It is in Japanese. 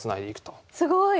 すごい。